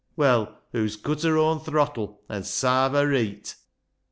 Well, hoo's cut her oan throttle — an' sarve her reet."